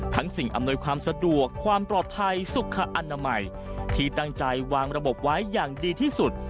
สิ่งอำนวยความสะดวกความปลอดภัยสุขอนามัยที่ตั้งใจวางระบบไว้อย่างดีที่สุด